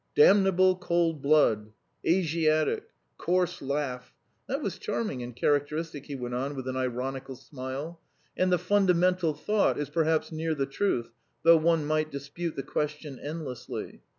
'Damnable cold blood,' 'Asiatic,' 'coarse laugh' that was charming and characteristic," he went on with an ironical smile. "And the fundamental thought is perhaps near the truth, though one might dispute the question endlessly.